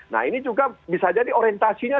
nah ini juga bisa jadi orientasinya